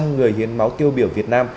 một trăm linh người hiến máu tiêu biểu việt nam